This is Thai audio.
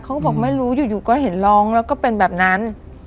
เขาบอกไม่รู้อยู่ก็เห็นร้องแล้วก็เป็นแบบนั้น